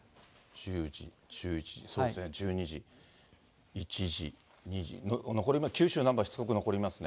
１０時、１１時、そうですね、１２時、１時、２時、九州南部はしつこく残りますね。